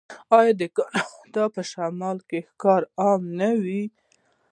آیا د کاناډا په شمال کې ښکار عام نه و؟